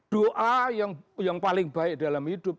doa yang paling baik dalam hidup